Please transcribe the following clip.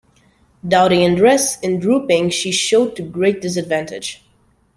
Dowdy in dress, and drooping, she showed to great disadvantage.